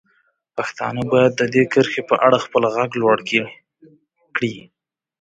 پښتانه باید د دې کرښې په اړه خپل غږ لوړ کړي.